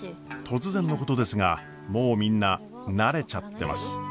突然のことですがもうみんな慣れちゃってます。